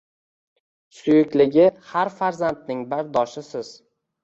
Suyukligi har farzandning bardoshisiz!